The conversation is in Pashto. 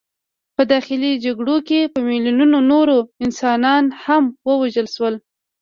په داخلي جګړو کې په میلیونونو نور انسانان هم ووژل شول.